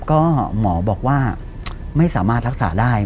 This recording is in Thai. ก็หมอบอกว่าไม่สามารถรักษาได้